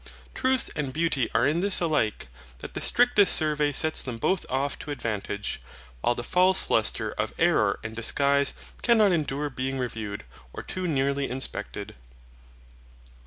Truth and beauty are in this alike, that the strictest survey sets them both off to advantage; while the false lustre of error and disguise cannot endure being reviewed, or too nearly inspected.